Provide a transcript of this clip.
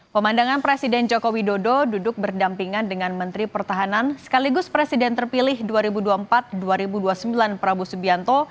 pemandangan presiden joko widodo duduk berdampingan dengan menteri pertahanan sekaligus presiden terpilih dua ribu dua puluh empat dua ribu dua puluh sembilan prabowo subianto